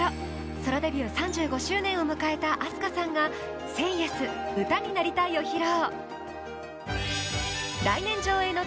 ソロデビュー３５周年を迎えたＡＳＫＡさんが「ＳＡＹＹＥＳ」「歌になりたい」を披露。